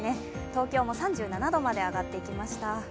東京も３７度まで上がってきました。